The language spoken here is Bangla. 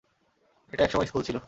এটা এক সময় স্কুল ছিল।